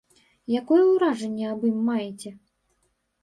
Якое ўражанне аб ім маеце?